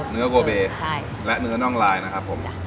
เนื้อโกเบและเนื้อน่องลายนะครับผม